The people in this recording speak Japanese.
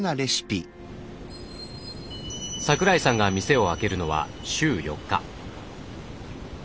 桜井さんが店を開けるのは週４日。